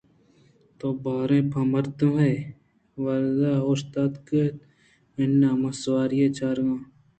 تو باریں پہ مردمے ءِ ودار ءَ اوشتاتگ اِت؟ اِناں من سواری ئے چارگ ءَ اوں